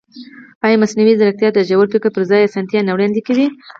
ایا مصنوعي ځیرکتیا د ژور فکر پر ځای اسانتیا نه وړاندې کوي؟